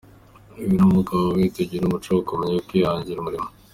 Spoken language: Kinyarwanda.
Ibi ni ubumuga bubi, tugire umuco wo kumenya kwihangira imirimo”.